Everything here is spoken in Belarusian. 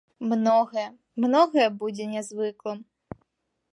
Многае, многае будзе нязвыкла.